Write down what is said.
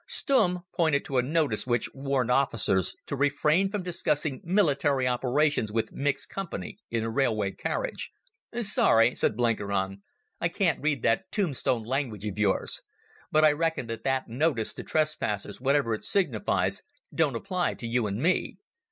Stumm pointed to a notice which warned officers to refrain from discussing military operations with mixed company in a railway carriage. "Sorry," said Blenkiron, "I can't read that tombstone language of yours. But I reckon that that notice to trespassers, whatever it signifies, don't apply to you and me.